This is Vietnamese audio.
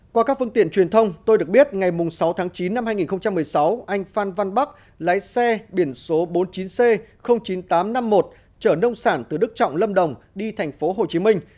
qua các phương tiện truyền thông tôi được biết ngày sáu tháng chín năm hai nghìn một mươi sáu anh phan văn bắc lái xe biển số bốn mươi chín c chín nghìn tám trăm năm mươi một chở nông sản từ đức trọng lâm đồng đi thành phố hồ chí minh